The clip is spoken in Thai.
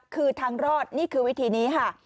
คือทางรอดนี่คือวิธีนี้ค่ะ